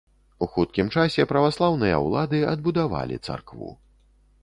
У хуткім часе праваслаўныя ўлады адбудавалі царкву.